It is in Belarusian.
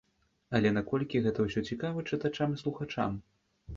Але наколькі гэта ўсё цікава чытачам і слухачам?